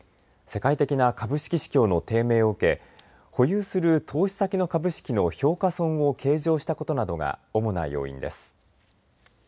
世界的な株式市況の低迷を受け保有する投資先の株式の評価損を計上したことなどが主な要因です。